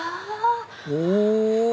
お！